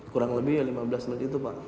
kurang lebih lima belas menit itu pak